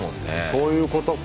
そういうことか。